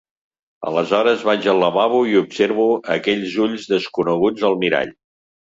Aleshores vaig al lavabo i observo aquells ulls desconeguts al mirall.